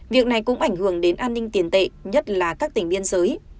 việc này cũng ảnh hưởng đến an ninh tiền tệ nhất là các tỉnh biên giới